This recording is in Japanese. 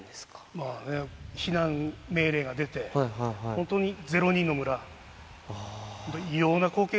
まあね、避難命令が出て、本当に０人の村。